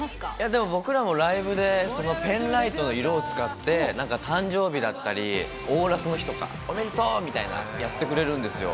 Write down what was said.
でも、僕らもライブで、ペンライトの色を使って、なんか、誕生日だったり、オーラスの人とか、コメントとかやってくれるんですよ。